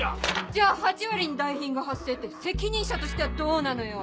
じゃあ８割に代品が発生って責任者としてはどうなのよ！